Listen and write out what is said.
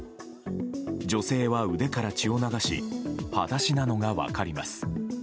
女性は腕から血を流し裸足なのが分かります。